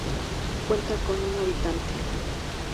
Cuenta con un habitante.